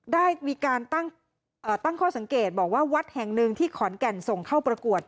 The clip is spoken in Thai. ได้มีการตั้งข้อสังเกตบอกว่าวัดแห่งหนึ่งที่ขอนแก่นส่งเข้าประกวด